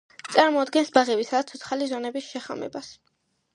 წარმოადგენს ბაღებისა და ცოცხალი ზონების შეხამებას.